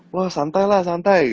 wah santai lah santai